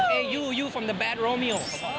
แอยูยูฟอมแบตโรมิโอ